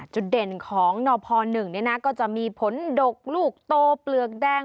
จุดเด่นของนพ๑ก็จะมีผลดกลูกโตเปลือกแดง